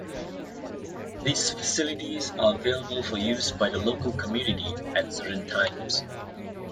These facilities are available for use by the local community at certain times.